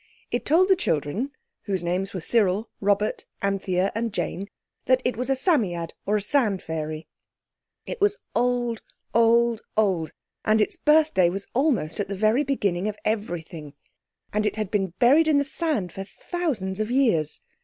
It told the children—whose names were Cyril, Robert, Anthea, and Jane—that it was a Psammead or sand fairy. (Psammead is pronounced Sammy ad.) It was old, old, old, and its birthday was almost at the very beginning of everything. And it had been buried in the sand for thousands of years.